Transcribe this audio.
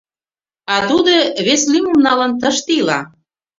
А тудо, вес лӱмым налын, тыште ила.